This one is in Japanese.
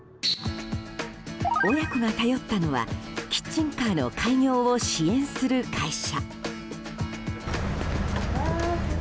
親子が頼ったのはキッチンカーの開業を支援する会社。